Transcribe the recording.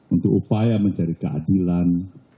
untuk upaya mencari keadilan